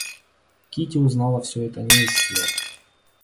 Кити узнала всё это не из слов.